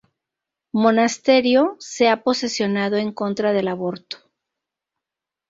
Monasterio se ha posicionado en contra del aborto.